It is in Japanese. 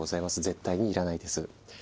絶対に要らないです。え？